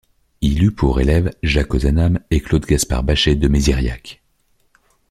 Il a eu pour élève Jacques Ozanam et Claude-Gaspard Bachet de Méziriac.